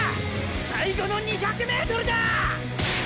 最後の２００ｍだァ！！